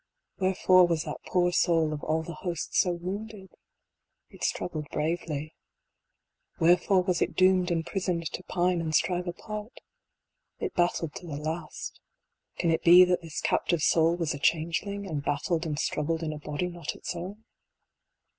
Wherefore was that poor soul of all the host so wounded ? It struggled bravely. Wherefore was it doomed and prisoned to pine and strive apart? It battled to the last. Can it be that this captive soul was a changeling, and battled and struggled in a body not its own